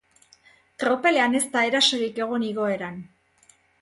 Tropelean ez da erasorik egon igoeran.